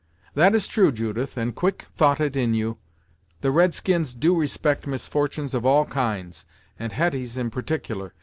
"That is true, Judith, and quick thoughted in you. The red skins do respect misfortunes of all kinds, and Hetty's in particular.